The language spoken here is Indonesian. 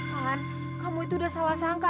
kan kamu itu udah salah sangka